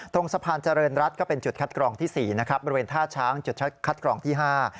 ตรงสะพานเจริญรัฐก็เป็นจุดคัดกรองที่สี่นะครับบริเวณท่าช้างจุดคัดกรองที่ห้า